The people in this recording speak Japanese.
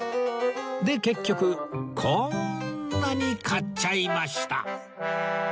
で結局こんなに買っちゃいました